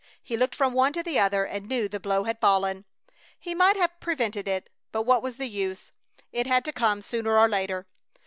He looked from one to the other and knew the blow had fallen. He might have prevented it, but what was the use? It had to come sooner or later.